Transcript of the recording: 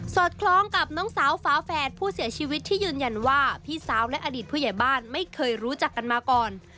อดคล้องกับน้องสาวฝาแฝดผู้เสียชีวิตที่ยืนยันว่าพี่สาวและอดีตผู้ใหญ่บ้านไม่เคยรู้จักกันมาก่อน